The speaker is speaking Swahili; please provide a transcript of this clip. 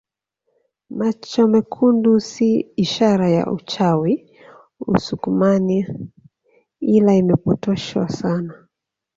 Macho mekundi si ishara ya uchawi usukumani ila imepotoshwa sana